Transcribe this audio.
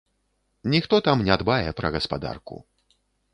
Ніхто там не дбае пра гаспадарку.